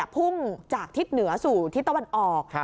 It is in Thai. พุ่งจากทิศเหนือสู่ทิศตะวันออก